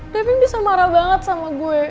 kevin bisa marah banget sama gue